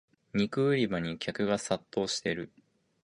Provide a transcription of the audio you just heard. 肉売り場に客が殺到してる